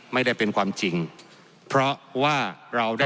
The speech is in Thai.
ไม่ได้เป็นความจริงเพราะว่าเราได้